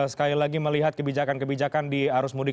sekali lagi melihat kebijakan kebijakan di arus mudik